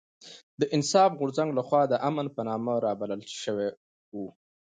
د انصاف غورځنګ لخوا د امن په نامه رابلل شوې